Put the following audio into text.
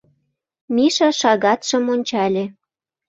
Миша шагатшым ончале.